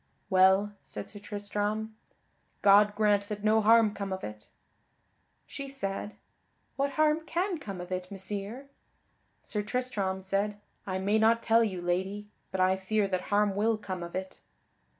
"Well," said Sir Tristram, "God grant that no harm come of it." She said, "What harm can come of it, Messire?" Sir Tristram said: "I may not tell you, Lady, but I fear that harm will come of it."